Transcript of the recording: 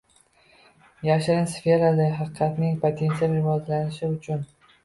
Yashirin sferada haqiqatning potensial rivojlanishi uchun